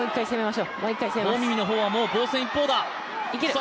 ホ・ミミの方はもう防戦一方だ。